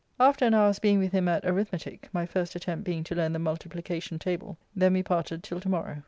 After an hour's being with him at arithmetique (my first attempt being to learn the multiplication table); then we parted till to morrow.